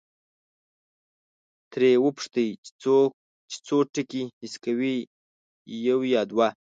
ترې وپوښتئ چې څو ټکي حس کوي، یو یا دوه؟